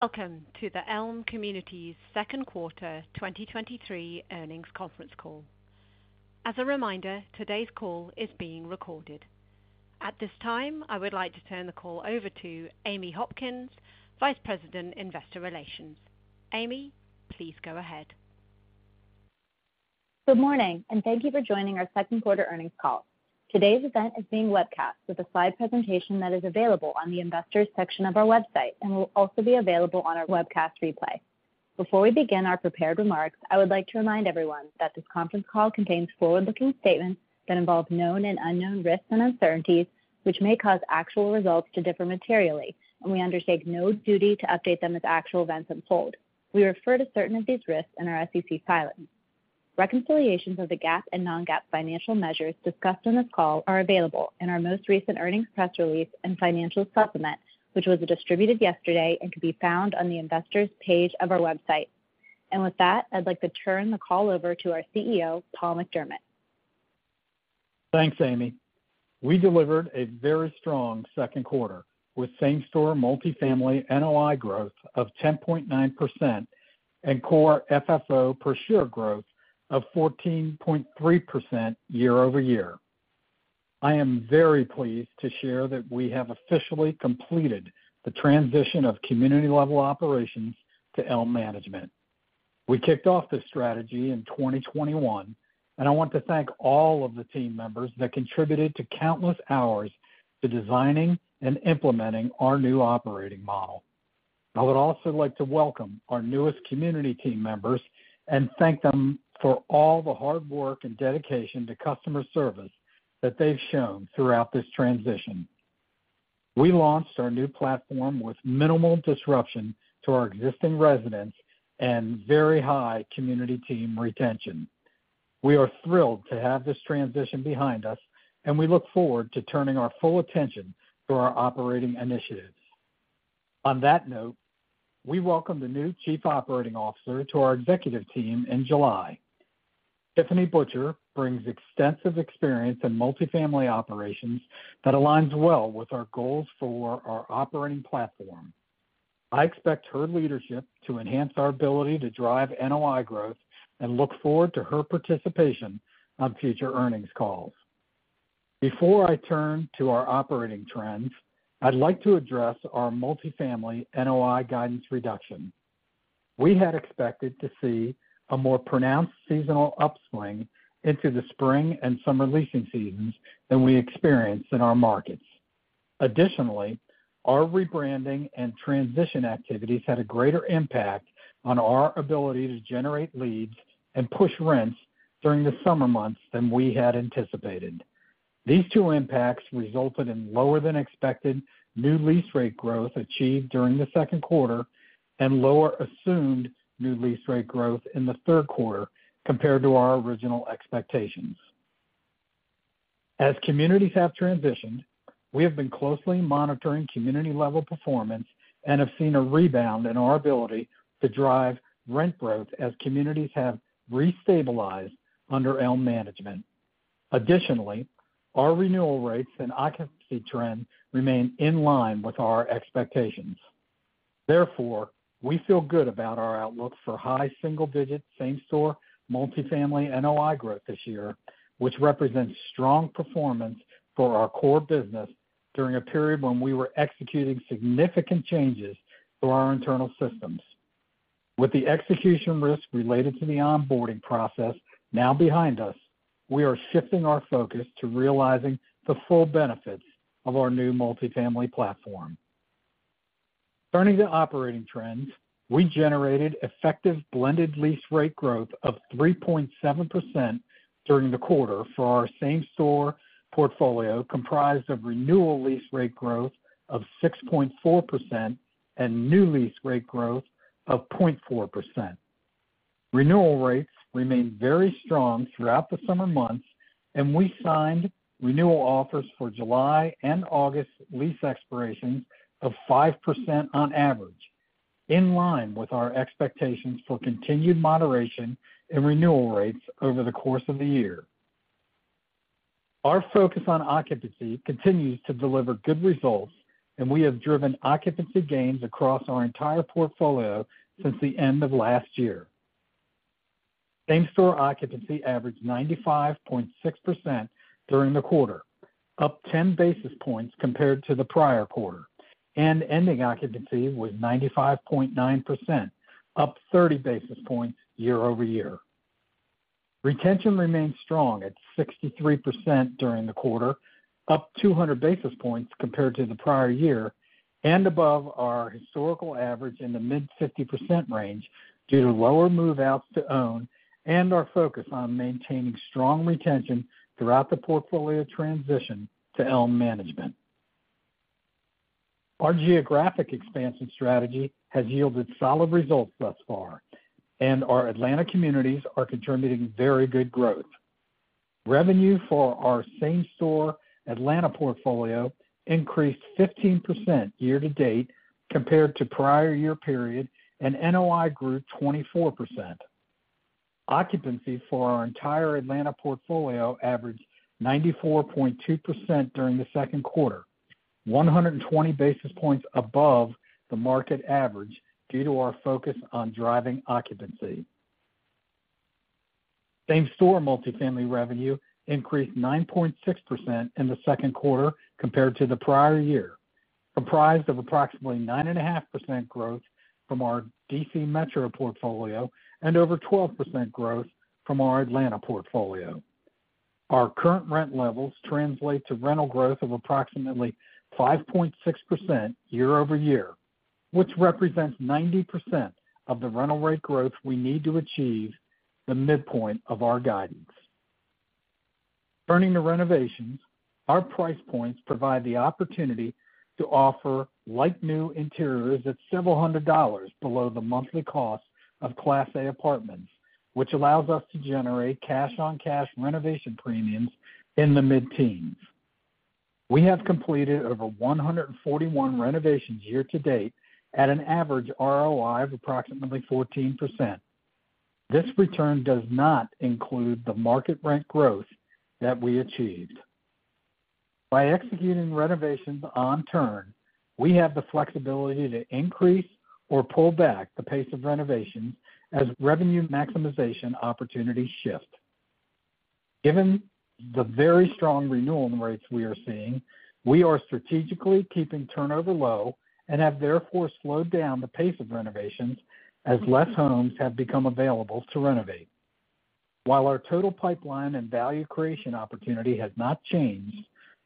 Welcome to the Elme Community's second quarter 2023 earnings conference call. As a reminder, today's call is being recorded. At this time, I would like to turn the call over to Amy Hopkins, Vice President, Investor Relations. Amy, please go ahead. Good morning. Thank you for joining our second quarter earnings call. Today's event is being webcast with a slide presentation that is available on the Investors section of our website and will also be available on our webcast replay. Before we begin our prepared remarks, I would like to remind everyone that this conference call contains forward-looking statements that involve known and unknown risks and uncertainties, which may cause actual results to differ materially, and we undertake no duty to update them as actual events unfold. We refer to certain of these risks in our SEC filings. Reconciliations of the GAAP and non-GAAP financial measures discussed on this call are available in our most recent earnings press release and financial supplement, which was distributed yesterday and can be found on the Investors page of our website. With that, I'd like to turn the call over to our CEO, Paul McDermott. Thanks, Amy. We delivered a very strong second quarter, with same-store multifamily NOI growth of 10.9% and Core FFO per share growth of 14.3% year-over-year. I am very pleased to share that we have officially completed the transition of community-level operations to Elme Management. We kicked off this strategy in 2021, and I want to thank all of the team members that contributed to countless hours to designing and implementing our new operating model. I would also like to welcome our newest community team members and thank them for all the hard work and dedication to customer service that they've shown throughout this transition. We launched our new platform with minimal disruption to our existing residents and very high community team retention. We are thrilled to have this transition behind us, and we look forward to turning our full attention to our operating initiatives. On that note, we welcomed a new Chief Operating Officer to our executive team in July. Tiffany Butcher brings extensive experience in multifamily operations that aligns well with our goals for our operating platform. I expect her leadership to enhance our ability to drive NOI growth and look forward to her participation on future earnings calls. Before I turn to our operating trends, I'd like to address our multifamily NOI guidance reduction. We had expected to see a more pronounced seasonal upswing into the spring and summer leasing seasons than we experienced in our markets. Additionally, our rebranding and transition activities had a greater impact on our ability to generate leads and push rents during the summer months than we had anticipated. These two impacts resulted in lower-than-expected new lease rate growth achieved during the second quarter and lower assumed new lease rate growth in the third quarter compared to our original expectations. As communities have transitioned, we have been closely monitoring community-level performance and have seen a rebound in our ability to drive rent growth as communities have restabilized under Elme Management. Additionally, our renewal rates and occupancy trend remain in line with our expectations. Therefore, we feel good about our outlook for high single-digit same-store multifamily NOI growth this year, which represents strong performance for our core business during a period when we were executing significant changes to our internal systems. With the execution risk related to the onboarding process now behind us, we are shifting our focus to realizing the full benefits of our new multifamily platform. Turning to operating trends, we generated effective blended lease rate growth of 3.7% during the quarter for our same-store portfolio, comprised of renewal lease rate growth of 6.4% and new lease rate growth of 0.4%. Renewal rates remained very strong throughout the summer months, and we signed renewal offers for July and August lease expirations of 5% on average, in line with our expectations for continued moderation in renewal rates over the course of the year. Our focus on occupancy continues to deliver good results, and we have driven occupancy gains across our entire portfolio since the end of last year. Same-store occupancy averaged 95.6% during the quarter, up 10 basis points compared to the prior quarter, and ending occupancy was 95.9%, up 30 basis points year-over-year. Retention remained strong at 63% during the quarter, up 200 basis points compared to the prior year, and above our historical average in the mid-50% range due to lower move-outs to own and our focus on maintaining strong retention throughout the portfolio transition to Elme Management. Our geographic expansion strategy has yielded solid results thus far, and our Atlanta communities are contributing very good growth. Revenue for our same-store Atlanta portfolio increased 15% year to date compared to prior year period, and NOI grew 24%. Occupancy for our entire Atlanta portfolio averaged 94.2% during the second quarter, 120 basis points above the market average, due to our focus on driving occupancy. Same-store multifamily revenue increased 9.6% in the second quarter compared to the prior year, comprised of approximately 9.5% growth from our D.C. metro portfolio and over 12% growth from our Atlanta portfolio. Our current rent levels translate to rental growth of approximately 5.6% year-over-year, which represents 90% of the rental rate growth we need to achieve the midpoint of our guidance. Turning to renovations, our price points provide the opportunity to offer like-new interiors at several hundred dollars below the monthly cost of Class A apartments, which allows us to generate cash-on-cash renovation premiums in the mid-teens. We have completed over 141 renovations year to date at an average ROI of approximately 14%. This return does not include the market rent growth that we achieved. By executing renovations on turn, we have the flexibility to increase or pull back the pace of renovations as revenue maximization opportunities shift. Given the very strong renewal rates we are seeing, we are strategically keeping turnover low and have therefore slowed down the pace of renovations as less homes have become available to renovate. While our total pipeline and value creation opportunity has not changed,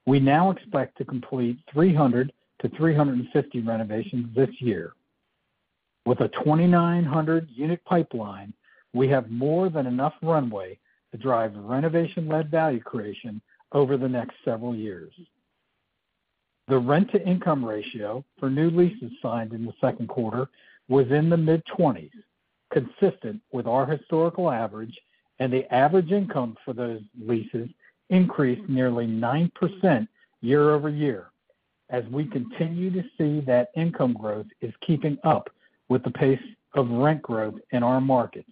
we now expect to complete 300-350 renovations this year. With a 2,900 unit pipeline, we have more than enough runway to drive renovation-led value creation over the next several years. The rent-to-income ratio for new leases signed in the second quarter was in the mid-20s, consistent with our historical average, and the average income for those leases increased nearly 9% year-over-year, as we continue to see that income growth is keeping up with the pace of rent growth in our markets.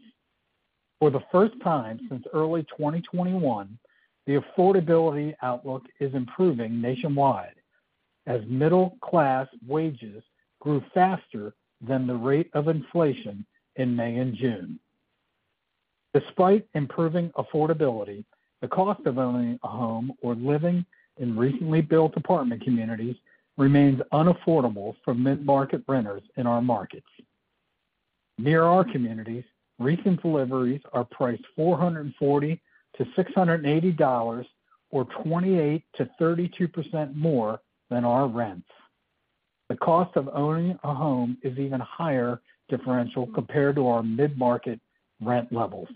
For the first time since early 2021, the affordability outlook is improving nationwide as middle-class wages grew faster than the rate of inflation in May and June. Despite improving affordability, the cost of owning a home or living in recently built apartment communities remains unaffordable for mid-market renters in our markets. Near our communities, recent deliveries are priced $440-$680, or 28%-32% more than our rents. The cost of owning a home is an even higher differential compared to our mid-market rent levels.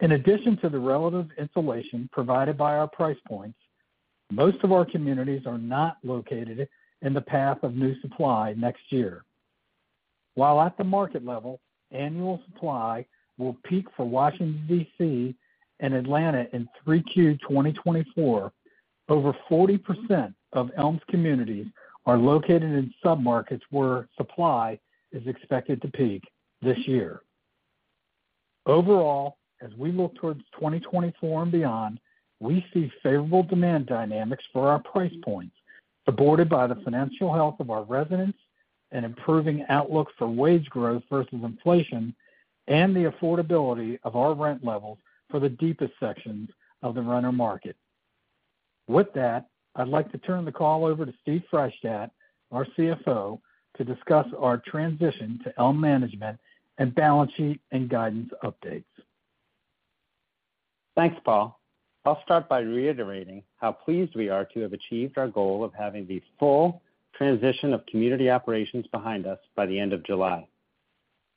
In addition to the relative insulation provided by our price points, most of our communities are not located in the path of new supply next year. While at the market level, annual supply will peak for Washington, D.C., and Atlanta in 3Q 2024, over 40% of Elme's communities are located in submarkets where supply is expected to peak this year. Overall, as we look towards 2024 and beyond, we see favorable demand dynamics for our price points, supported by the financial health of our residents and improving outlook for wage growth versus inflation, and the affordability of our rent levels for the deepest sections of the renter market. With that, I'd like to turn the call over to Steve Freishtat, our CFO, to discuss our transition to Elme Management and balance sheet and guidance updates. Thanks, Paul. I'll start by reiterating how pleased we are to have achieved our goal of having the full transition of community operations behind us by the end of July.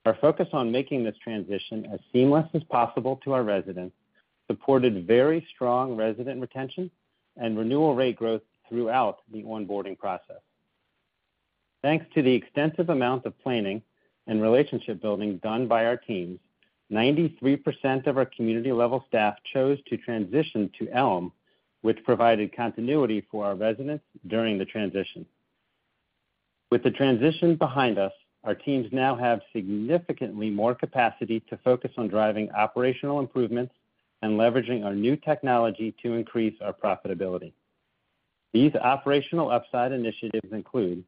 Our focus on making this transition as seamless as possible to our residents supported very strong resident retention and renewal rate growth throughout the onboarding process. Thanks to the extensive amount of planning and relationship building done by our teams, 93% of our community-level staff chose to transition to Elme, which provided continuity for our residents during the transition. With the transition behind us, our teams now have significantly more capacity to focus on driving operational improvements and leveraging our new technology to increase our profitability. These operational upside initiatives include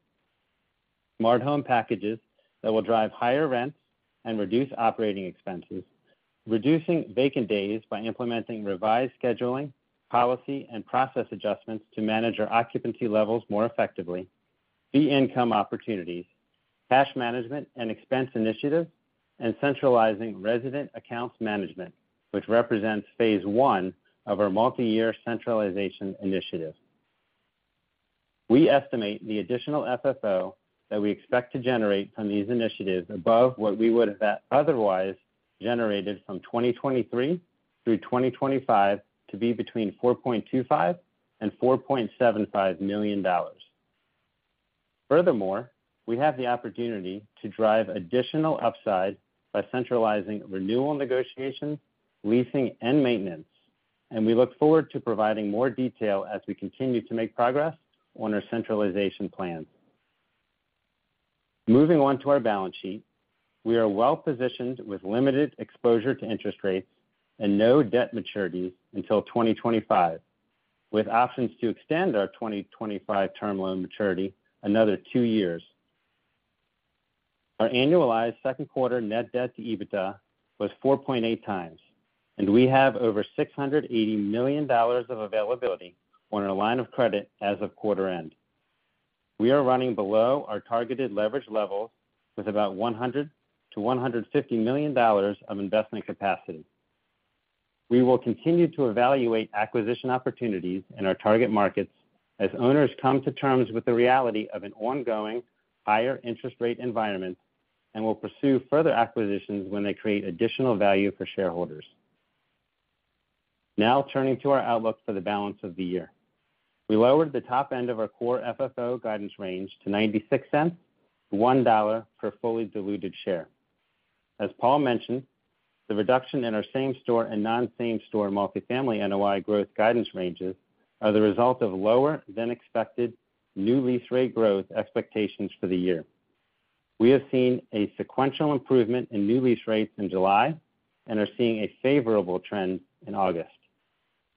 smart home packages that will drive higher rents and reduce operating expenses, reducing vacant days by implementing revised scheduling, policy, and process adjustments to manage our occupancy levels more effectively, fee income opportunities, cash management and expense initiatives, and centralizing resident accounts management, which represents phase one of our multiyear centralization initiative. We estimate the additional FFO that we expect to generate from these initiatives above what we would have otherwise generated from 2023 through 2025 to be between $4.25 million and $4.75 million. Furthermore, we have the opportunity to drive additional upside by centralizing renewal negotiations, leasing, and maintenance, and we look forward to providing more detail as we continue to make progress on our centralization plan. Moving on to our balance sheet. We are well positioned with limited exposure to interest rates and no debt maturity until 2025, with options to extend our 2025 term loan maturity another two years. Our annualized second quarter net debt to EBITDA was 4.8x, and we have over $680 million of availability on our line of credit as of quarter end. We are running below our targeted leverage levels with about $100 million-$150 million of investment capacity. We will continue to evaluate acquisition opportunities in our target markets as owners come to terms with the reality of an ongoing higher interest rate environment and will pursue further acquisitions when they create additional value for shareholders. Now, turning to our outlook for the balance of the year. We lowered the top end of our Core FFO guidance range to $0.96-$1.00 per fully diluted share. As Paul mentioned, the reduction in our same store and non-same store multifamily NOI growth guidance ranges are the result of lower than expected new lease rate growth expectations for the year. We have seen a sequential improvement in new lease rates in July and are seeing a favorable trend in August.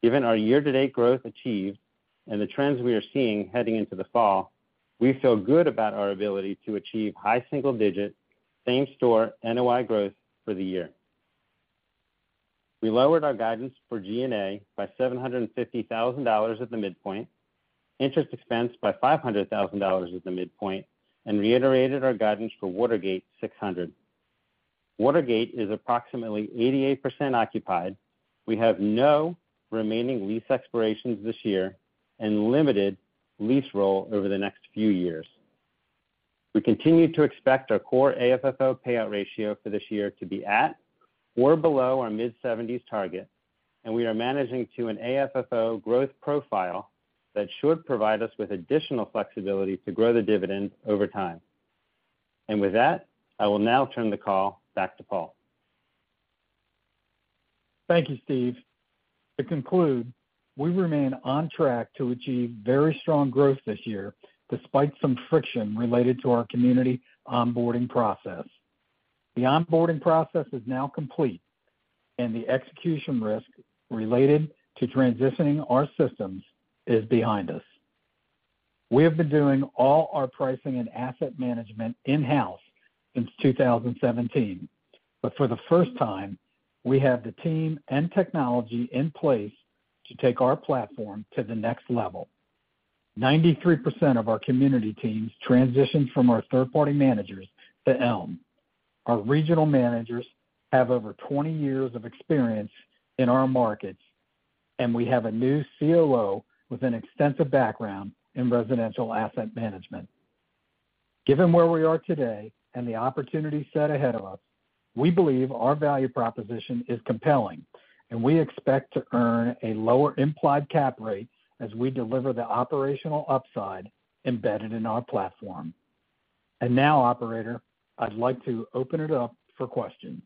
Given our year-to-date growth achieved and the trends we are seeing heading into the fall, we feel good about our ability to achieve high single digit same store NOI growth for the year. We lowered our guidance for G&A by $750,000 at the midpoint, interest expense by $500,000 at the midpoint, and reiterated our guidance for Watergate 600. Watergate 600 is approximately 88% occupied. We have no remaining lease expirations this year and limited lease roll over the next few years. We continue to expect our Core AFFO payout ratio for this year to be at or below our mid-70s target, we are managing to an AFFO growth profile that should provide us with additional flexibility to grow the dividend over time. With that, I will now turn the call back to Paul. Thank you, Steve. To conclude, we remain on track to achieve very strong growth this year, despite some friction related to our community onboarding process. The onboarding process is now complete, and the execution risk related to transitioning our systems is behind us. We have been doing all our pricing and asset management in-house since 2017, but for the first time, we have the team and technology in place to take our platform to the next level. 93% of our community teams transitioned from our third-party managers to Elme. Our regional managers have over 20 years of experience in our markets, and we have a new COO with an extensive background in residential asset management. Given where we are today and the opportunity set ahead of us, we believe our value proposition is compelling, and we expect to earn a lower implied cap rate as we deliver the operational upside embedded in our platform. Now, operator, I'd like to open it up for questions.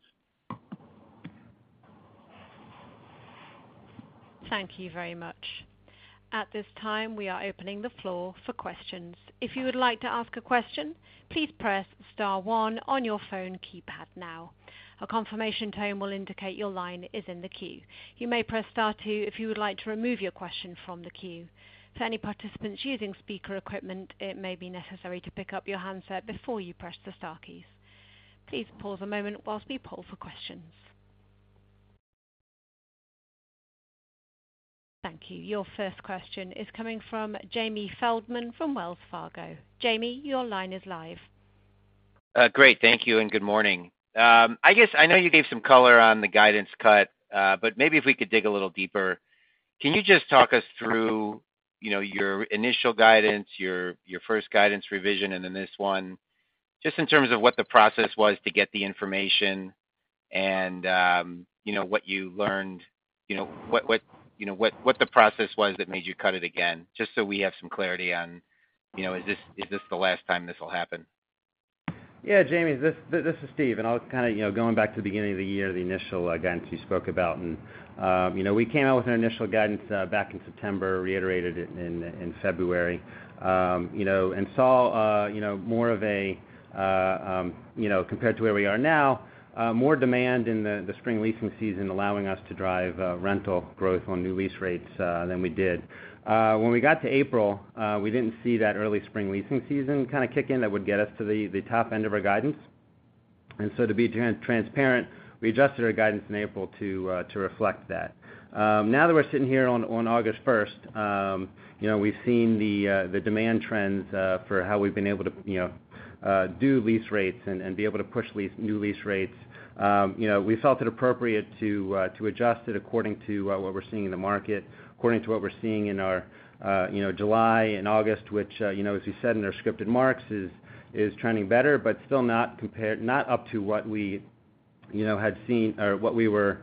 Thank you very much. At this time, we are opening the floor for questions. If you would like to ask a question, please press star one on your phone keypad now. A confirmation tone will indicate your line is in the queue. You may press star two if you would like to remove your question from the queue. For any participants using speaker equipment, it may be necessary to pick up your handset before you press the star keys. Please pause a moment while we poll for questions. Thank you. Your first question is coming from Jamie Feldman from Wells Fargo. Jamie, your line is live. Great. Thank you, good morning. I guess I know you gave some color on the guidance cut, but maybe if we could dig a little deeper. Can you just talk us through, you know, your initial guidance, your, your first guidance revision, and then this one, just in terms of what the process was to get the information and, you know, what you learned, you know, what, what, you know, what, what the process was that made you cut it again, just so we have some clarity on, you know, is this, is this the last time this will happen? Yeah, Jamie, this, this is Steve. I'll kind of, you know, going back to the beginning of the year, the initial guidance you spoke about. You know, we came out with an initial guidance back in September, reiterated it in, in February, you know, and saw, you know, more of a, you know, compared to where we are now, more demand in the, the spring leasing season, allowing us to drive rental growth on new lease rates than we did. When we got to April, we didn't see that early spring leasing season kind of kick in that would get us to the, the top end of our guidance. So to be transparent, we adjusted our guidance in April to reflect that. Now that we're sitting here on, on August 1st, you know, we've seen the demand trends for how we've been able to, you know, do lease rates and, and be able to push lease new lease rates. You know, we felt it appropriate to adjust it according to what we're seeing in the market, according to what we're seeing in our, you know, July and August, which, you know, as you said in our scripted marks, is, is trending better, but still not compared not up to what we, you know, had seen or what we were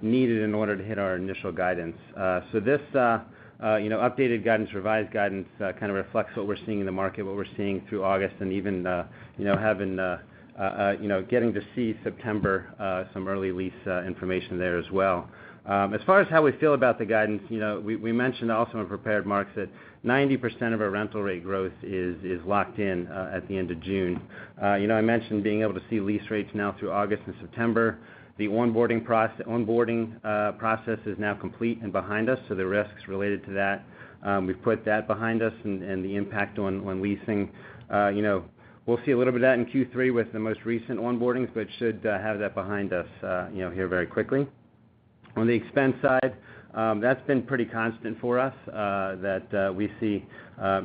needed in order to hit our initial guidance. So this, you know, updated guidance, revised guidance, kind of reflects what we're seeing in the market, what we're seeing through August, and even, you know, having, you know, getting to see September, some early lease information there as well. As far as how we feel about the guidance, you know, we, we mentioned also in prepared marks that 90% of our rental rate growth is, is locked in at the end of June. You know, I mentioned being able to see lease rates now through August and September. The onboarding process is now complete and behind us, so the risks related to that, we've put that behind us and, and the impact on, on leasing. You know, we'll see a little bit of that in Q3 with the most recent onboardings, but should have that behind us, you know, here very quickly. On the expense side, that's been pretty constant for us, that we see,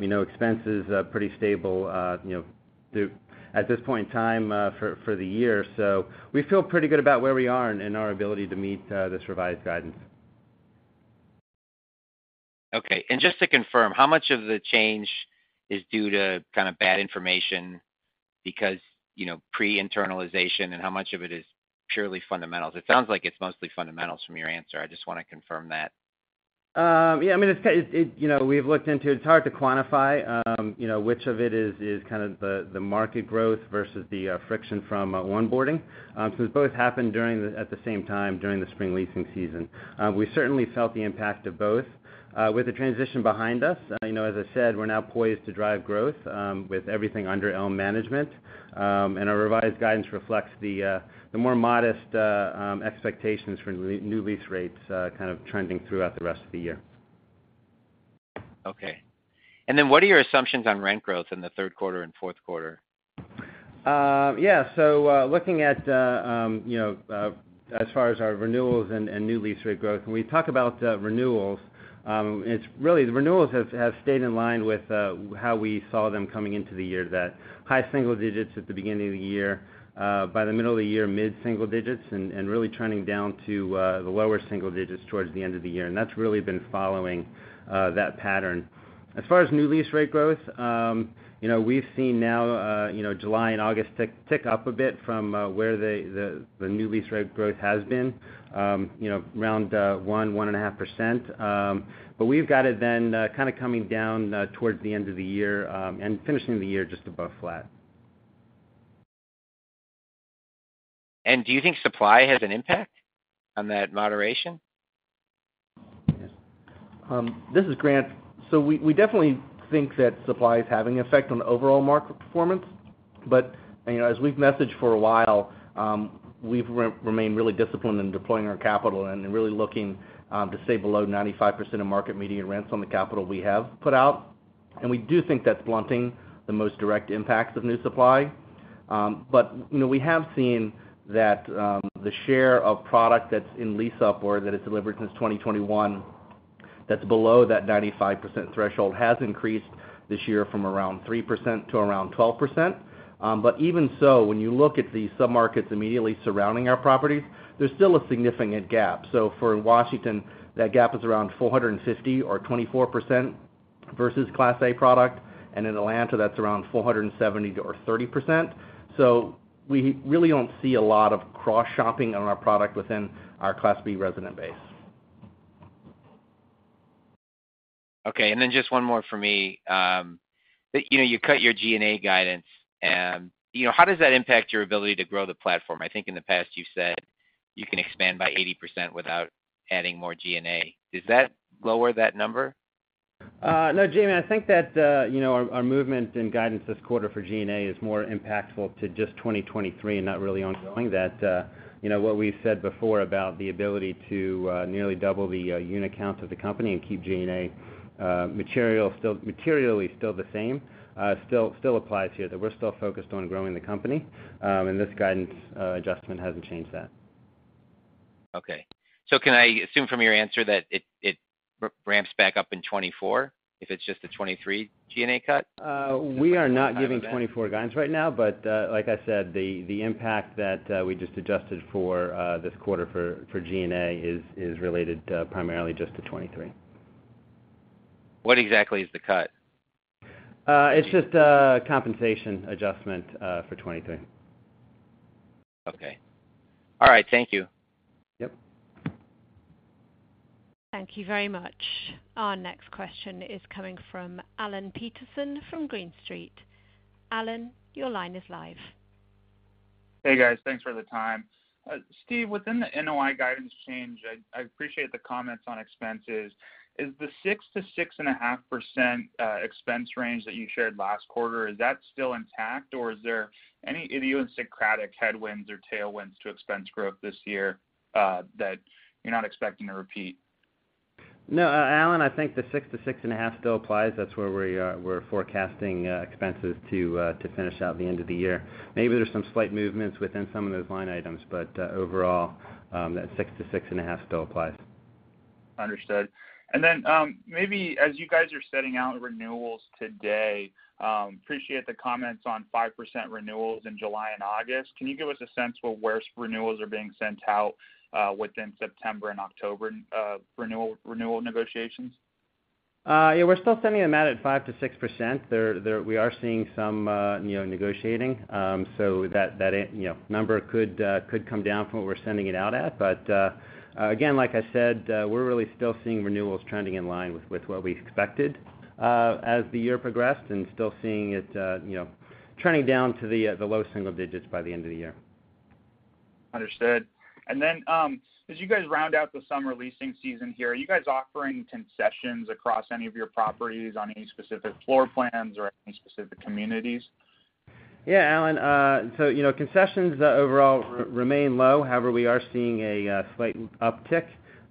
you know, expenses, pretty stable at this point in time, for the year. We feel pretty good about where we are and our ability to meet this revised guidance. Okay. Just to confirm, how much of the change is due to kind of bad information because, you know, pre-internalization, and how much of it is purely fundamentals? It sounds like it's mostly fundamentals from your answer. I just want to confirm that. Yeah, I mean, you know, we've looked into it. It's hard to quantify, you know, which of it is, is kind of the, the market growth versus the friction from onboarding. It both happened at the same time, during the spring leasing season. We certainly felt the impact of both. With the transition behind us, you know, as I said, we're now poised to drive growth with everything under own management. Our revised guidance reflects the more modest expectations for re- new lease rates, kind of trending throughout the rest of the year. Okay. What are your assumptions on rent growth in the third quarter and fourth quarter? Yeah, looking at, you know, as far as our renewals and, and new lease rate growth, when we talk about renewals, it's really, the renewals have, have stayed in line with how we saw them coming into the year. That high single digits at the beginning of the year, by the middle of the year, mid-single digits, and, and really trending down to the lower single digits towards the end of the year, and that's really been following that pattern. As far as new lease rate growth, you know, we've seen now, you know, July and August tick, tick up a bit from where the, the, the new lease rate growth has been, you know, around 1%, 1.5%. We've got it then, kind of coming down, towards the end of the year, and finishing the year just above flat. Do you think supply has an impact on that moderation? This is Grant. We, we definitely think that supply is having an effect on the overall market performance. You know, as we've messaged for a while, we've remained really disciplined in deploying our capital and really looking to stay below 95% of market median rents on the capital we have put out. We do think that's blunting the most direct impacts of new supply. You know, we have seen that the share of product that's in lease up or that is delivered since 2021, that's below that 95% threshold, has increased this year from around 3% to around 12%. Even so, when you look at the submarkets immediately surrounding our properties, there's still a significant gap. For Washington, that gap is around $450 or 24% versus Class A product, and in Atlanta, that's around $470 or 30%. We really don't see a lot of cross-shopping on our product within our Class B resident base. Okay, just one more for me. You know, you cut your G&A guidance, you know, how does that impact your ability to grow the platform? I think in the past you've said you can expand by 80% without adding more G&A. Does that lower that number? No, Jamie, I think that, you know, our, our movement in guidance this quarter for G&A is more impactful to just 2023 and not really ongoing. You know, what we've said before about the ability to nearly double the unit count of the company and keep G&A materially still the same, still, still applies here. We're still focused on growing the company, and this guidance adjustment hasn't changed that. Okay. Can I assume from your answer that it ramps back up in 2024, if it's just a 2023 G&A cut? we are not giving 2024 guidance right now, but, like I said, the, the impact that, we just adjusted for, this quarter for, for G&A is, is related, primarily just to 2023. What exactly is the cut? It's just a compensation adjustment, for 2023. Okay. All right. Thank you. Yep. Thank you very much. Our next question is coming from Alan Peterson from Green Street. Alan, your line is live. Hey, guys. Thanks for the time. Steve, within the NOI guidance change, I, I appreciate the comments on expenses. Is the 6%-6.5% expense range that you shared last quarter, is that still intact, or is there any idiosyncratic headwinds or tailwinds to expense growth this year, that you're not expecting to repeat? No, Alan, I think the 6%-6.5% still applies. That's where we're forecasting expenses to finish out the end of the year. Maybe there's some slight movements within some of those line items, but overall, that 6%-6.5% still applies. Understood. Then, maybe as you guys are setting out renewals today, appreciate the comments on 5% renewals in July and August. Can you give us a sense for where renewals are being sent out, within September and October, renewal, renewal negotiations? Yeah, we're still sending them out at 5%-6%. They're, We are seeing some, you know, negotiating, so that, that, you know, number could come down from what we're sending it out at. Again, like I said, we're really still seeing renewals trending in line with, with what we expected, as the year progressed, and still seeing it, you know, trending down to the low single digits by the end of the year. Understood. Then, as you guys round out the summer leasing season here, are you guys offering concessions across any of your properties on any specific floor plans or any specific communities? Yeah, Alan, you know, concessions overall remain low. However, we are seeing a slight uptick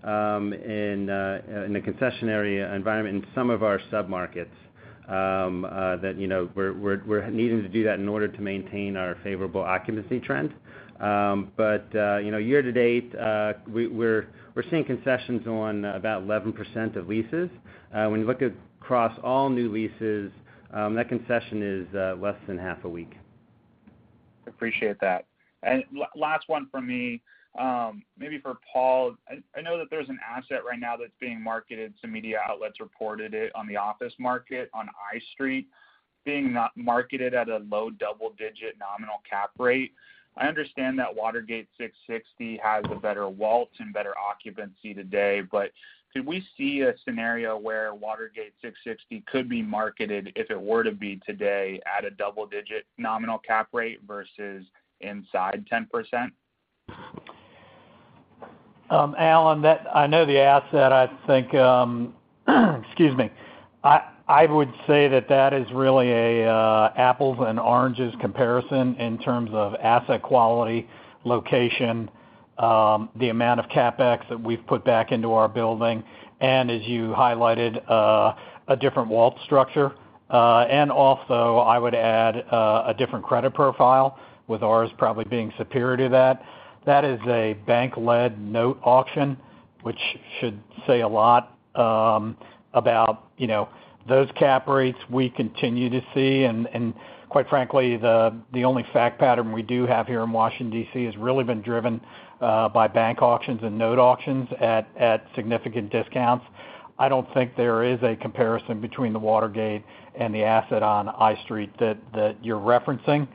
in the concessionary environment in some of our submarkets that, you know, we're, we're, we're needing to do that in order to maintain our favorable occupancy trend. You know, year to date, we're seeing concessions on about 11% of leases. When you look at across all new leases, that concession is less than half a week. Appreciate that. And last one from me, maybe for Paul. I, I know that there's an asset right now that's being marketed, some media outlets reported it, on the office market, on Eye Street, being not marketed at a low double-digit nominal cap rate. I understand that Watergate 600 has a better WALT and better occupancy today, but could we see a scenario where Watergate 600 could be marketed if it were to be today at a double-digit nominal cap rate versus inside 10%? Alan, that... I know the asset. I think, excuse me. I, I would say that that is really a apples and oranges comparison in terms of asset quality, location, the amount of CapEx that we've put back into our building, and as you highlighted, a different WALT structure, and also I would add, a different credit profile, with ours probably being superior to that. That is a bank-led note auction, which should say a lot, about, you know, those cap rates we continue to see. Quite frankly, the, the only fact pattern we do have here in Washington, D.C., has really been driven by bank auctions and note auctions at, at significant discounts. I don't think there is a comparison between the Watergate 600 and the asset on Eye Street that, that you're referencing.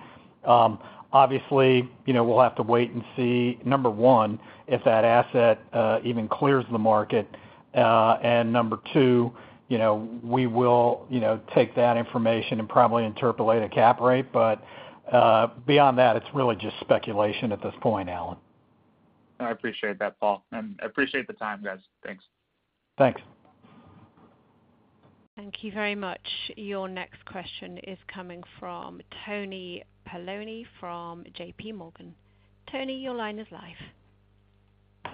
Obviously, you know, we'll have to wait and see, number one, if that asset, even clears the market, and number two, you know, we will, you know, take that information and probably interpolate a cap rate. Beyond that, it's really just speculation at this point, Alan. I appreciate that, Paul, and I appreciate the time, guys. Thanks. Thanks. Thank you very much. Your next question is coming from Tony Paolone from JPMorgan. Tony, your line is live.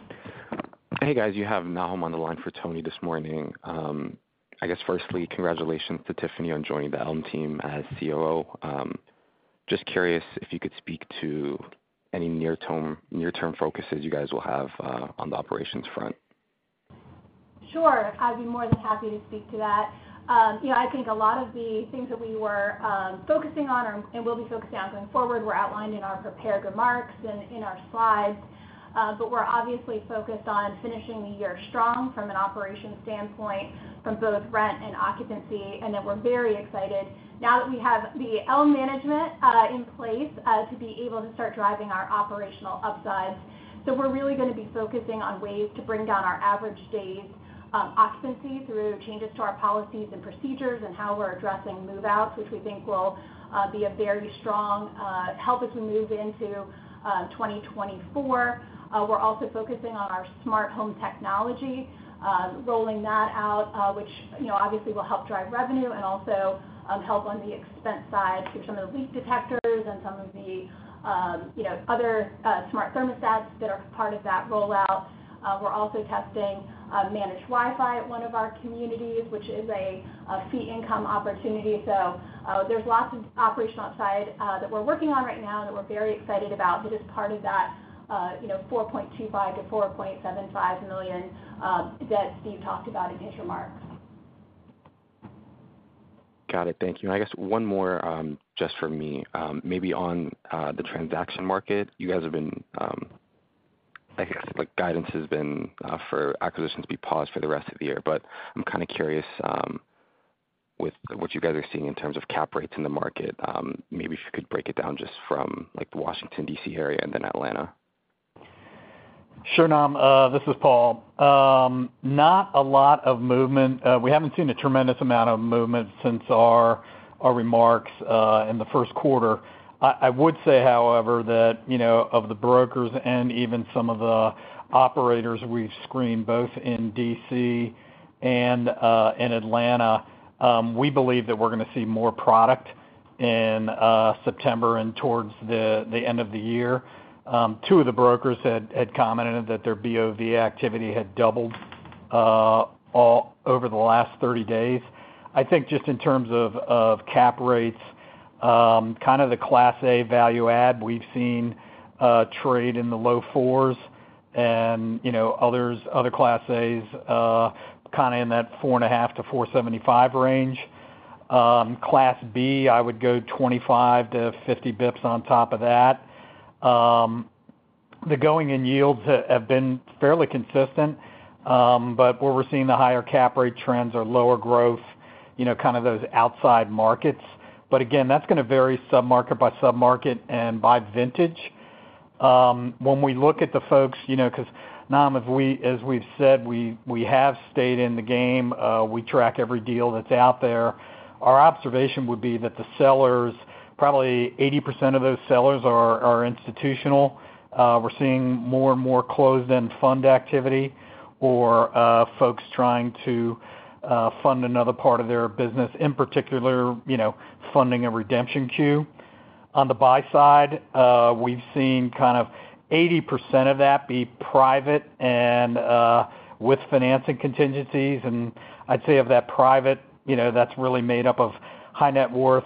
Hey, guys, you have Nahum on the line for Tony this morning. I guess, firstly, congratulations to Tiffany on joining the Elme team as COO. Just curious if you could speak to any near term, near term focuses you guys will have on the operations front? Sure, I'd be more than happy to speak to that. You know, I think a lot of the things that we were focusing on and will be focusing on going forward, were outlined in our prepared remarks and in our slides. We're obviously focused on finishing the year strong from an operations standpoint from both rent and occupancy. Then we're very excited now that we have the Elme Management in place to be able to start driving our operational upsides. We're really gonna be focusing on ways to bring down our average days of occupancy through changes to our policies and procedures, and how we're addressing move-outs, which we think will be a very strong help as we move into 2024. We're also focusing on our smart home technology, rolling that out, which, you know, obviously will help drive revenue and also, help on the expense side through some of the leak detectors and some of the, you know, other, smart thermostats that are part of that rollout. We're also testing managed Wi-Fi at one of our communities, which is a, a fee income opportunity. There's lots of operational upside, that we're working on right now that we're very excited about, that is part of that, you know, $4.25 million-$4.75 million, that Steve talked about in his remarks. Got it. Thank you. I guess one more, just from me. Maybe on the transaction market, you guys have been... I guess, like, guidance has been for acquisitions to be paused for the rest of the year, but I'm kind of curious with what you guys are seeing in terms of cap rates in the market, maybe if you could break it down just from, like, the Washington, D.C., area and then Atlanta. Sure, Nahum, this is Paul. Not a lot of movement. We haven't seen a tremendous amount of movement since our remarks in the first quarter. I would say, however, that, you know, of the brokers and even some of the operators we've screened, both in D.C. and in Atlanta, we believe that we're gonna see more product in September and towards the end of the year. Two of the brokers had commented that their BOV activity had doubled all over the last 30 days. I think just in terms of cap rates, kind of the Class A value add, we've seen trade in the low 4s and, you know, others, other Class A's, kind of in that 4.5%-4.75% range. Class B, I would go 25-50 bips on top of that. The going in yields have been fairly consistent, but where we're seeing the higher cap rate trends are lower growth, you know, kind of those outside markets. Again, that's gonna vary sub-market by sub-market and by vintage. When we look at the folks, you know, 'cause, Nahum, if we as we've said, we, we have stayed in the game, we track every deal that's out there. Our observation would be that the sellers, probably 80% of those sellers are, are institutional. We're seeing more and more closed-end fund activity or, folks trying to, fund another part of their business, in particular, you know, funding a redemption queue. On the buy side, we've seen kind of 80% of that be private and, with financing contingencies, and I'd say of that private, you know, that's really made up of high net worth,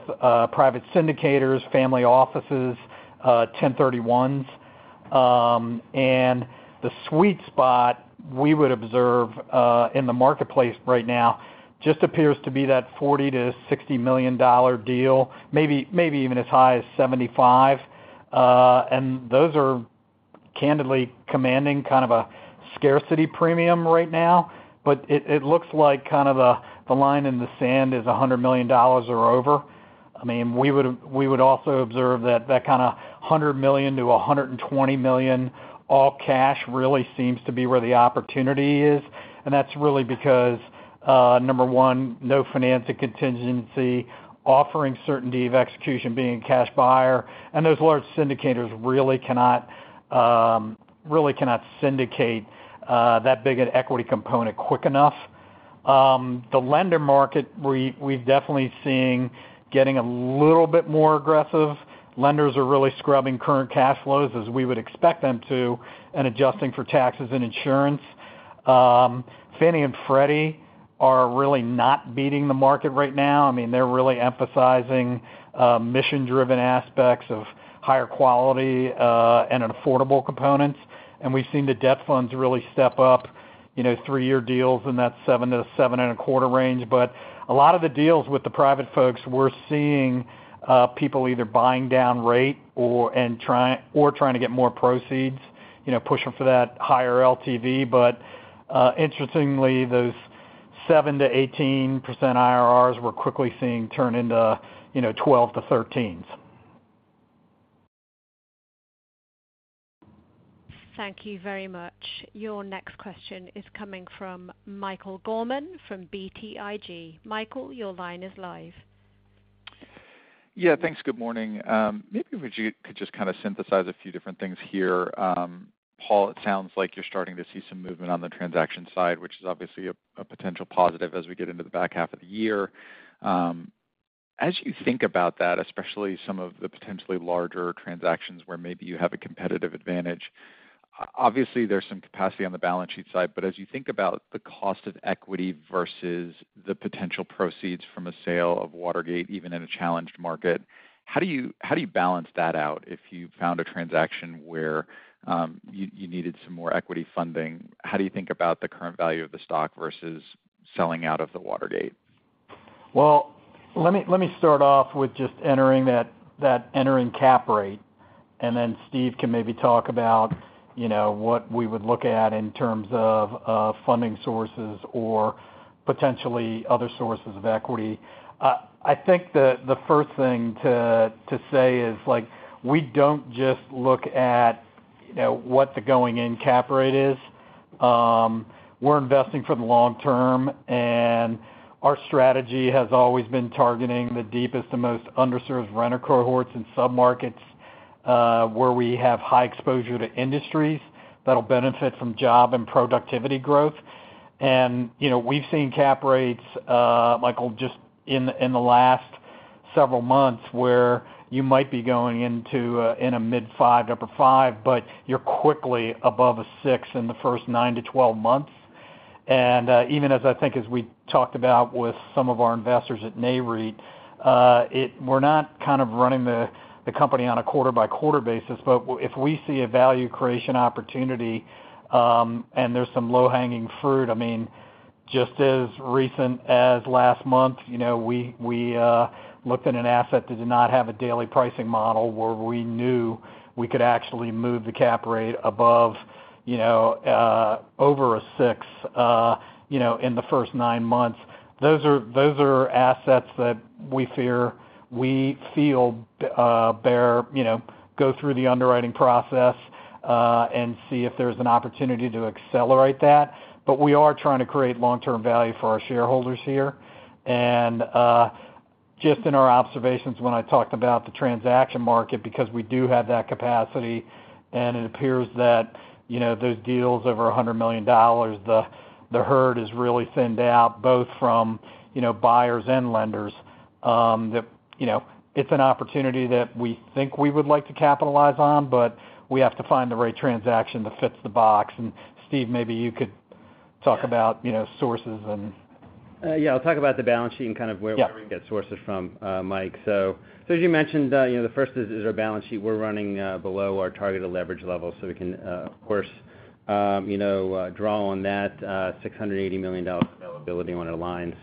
private syndicators, family offices, 1031s. The sweet spot we would observe in the marketplace right now, just appears to be that $40 million-$60 million deal, maybe, maybe even as high as $75 million. Those are candidly commanding kind of a scarcity premium right now. It, it looks like kind of a, the line in the sand is $100 million or over. I mean, we would've, we would also observe that that kind of $100 million-$120 million, all cash, really seems to be where the opportunity is. That's really because, number one, no financing contingency, offering certainty of execution being a cash buyer, and those large syndicators really cannot, really cannot syndicate, that big an equity component quick enough. The lender market, we, we've definitely seeing getting a little bit more aggressive. Lenders are really scrubbing current cash flows as we would expect them to, and adjusting for taxes and insurance. Fannie and Freddie are really not beating the market right now. I mean, they're really emphasizing, mission-driven aspects of higher quality, and affordable components. We've seen the debt funds really step up, you know, three-year deals in that 7%-7.25% range. A lot of the deals with the private folks, we're seeing, people either buying down rate or trying to get more proceeds, you know, pushing for that higher LTV. Interestingly, those 7%-18% IRRs, we're quickly seeing turn into, you know, 12%-13%. Thank you very much. Your next question is coming from Michael Gorman, from BTIG. Michael, your line is live. Yeah, thanks. Good morning. Maybe if you could just kind of synthesize a few different things here. Paul, it sounds like you're starting to see some movement on the transaction side, which is obviously a, a potential positive as we get into the back half of the year. As you think about that, especially some of the potentially larger transactions, where maybe you have a competitive advantage, obviously, there's some capacity on the balance sheet side, but as you think about the cost of equity versus the potential proceeds from a sale of Watergate, even in a challenged market, how do you, how do you balance that out if you found a transaction where you, you needed some more equity funding? How do you think about the current value of the stock versus selling out of the Watergate 600? Well, let me, let me start off with just entering that, that entering cap rate, and then Steve can maybe talk about, you know, what we would look at in terms of, of funding sources or potentially other sources of equity. I think the, the first thing to, to say is, like, we don't just look at, you know, what the going-in cap rate is. We're investing for the long term, and our strategy has always been targeting the deepest and most underserved renter cohorts in submarkets, where we have high exposure to industries that'll benefit from job and productivity growth. You know, we've seen cap rates, Michael, just in, in the last several months, where you might be going into, in a mid-5 to upper 5, but you're quickly above a 6 in the first 9-12 months. Even as I think, as we talked about with some of our investors at Nareit, it-we're not kind of running the, the company on a quarter-by-quarter basis, but w-if we see a value creation opportunity, and there's some low-hanging fruit... I mean, just as recent as last month, you know, we, we, looked at an asset that did not have a daily pricing model, where we knew we could actually move the cap rate above, you know, over a 6, you know, in the first nine months. Those are, those are assets that we feel we feel, bear, you know, go through the underwriting process, and see if there's an opportunity to accelerate that. We are trying to create long-term value for our shareholders here. Just in our observations, when I talked about the transaction market, because we do have that capacity, and it appears that, you know, those deals over $100 million, the, the herd is really thinned out, both from, you know, buyers and lenders. The, you know, it's an opportunity that we think we would like to capitalize on, but we have to find the right transaction that fits the box. Steve, maybe you could talk about, you know, sources and. Yeah, I'll talk about the balance sheet and kind of where. Yeah... where we get sources from, Michael Gorman. As you mentioned, you know, the first is, is our balance sheet. We're running below our targeted leverage level, so we can, of course, you know, draw on that $680 million availability on our line.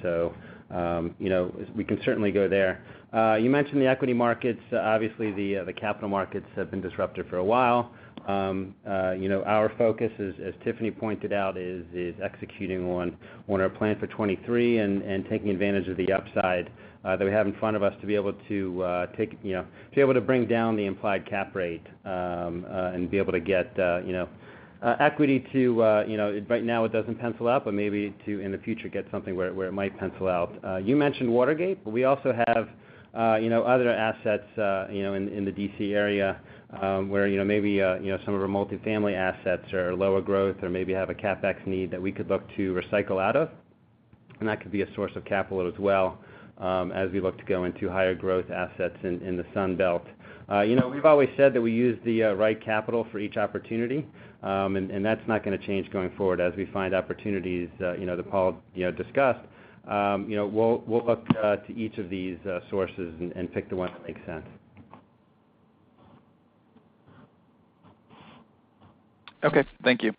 You know, we can certainly go there. You mentioned the equity markets. Obviously, the capital markets have been disrupted for a while. You know, our focus is, as Tiffany Butcher pointed out, is, is executing on our plan for 23 and taking advantage of the upside that we have in front of us to be able to take... You know, to be able to bring down the implied cap rate, and be able to get, you know, equity to, you know, right now, it doesn't pencil out, but maybe to, in the future, get something where, where it might pencil out. You mentioned Watergate, but we also have, you know, other assets, you know, in, in the D.C. area, where, you know, maybe, you know, some of our multifamily assets are lower growth or maybe have a CapEx need that we could look to recycle out of, and that could be a source of capital as well, as we look to go into higher growth assets in, in the Sunbelt. You know, we've always said that we use the right capital for each opportunity, and, and that's not gonna change going forward. As we find opportunities, you know, that Paul, you know, discussed, you know, we'll, we'll look to each of these sources and, and pick the one that makes sense. Okay, thank you.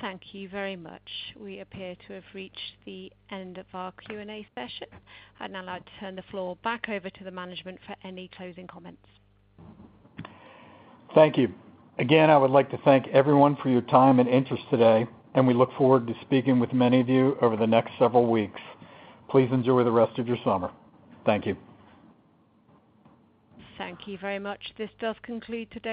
Thank you very much. We appear to have reached the end of our Q&A session. I'd now like to turn the floor back over to the management for any closing comments. Thank you. Again, I would like to thank everyone for your time and interest today, and we look forward to speaking with many of you over the next several weeks. Please enjoy the rest of your summer. Thank you. Thank you very much. This does conclude today's-